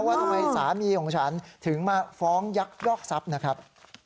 ว่าทำไมสามีของฉันถึงมาฟ้องยักยอกทรัพย์นะครับ